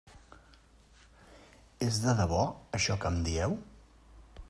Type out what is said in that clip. És de debò això que em dieu?